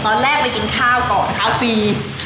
ตอนแรกไปกินข้าวก่อนข้าวฟรี